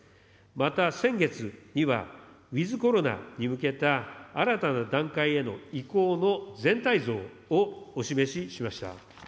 また、先月には、ウィズコロナに向けた新たな段階への移行の全体像をお示ししました。